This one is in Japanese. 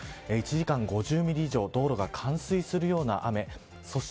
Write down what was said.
１時間５０ミリ以上で道路が冠水するような雨です。